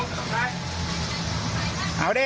ขายเลย